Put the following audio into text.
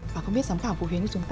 phải không biết giám khảo vũ huyến